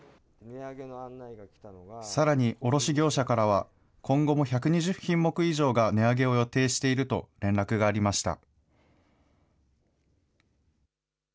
さらに卸業者からは今後も１２０品目以上が値上げを予定していると連絡がありました。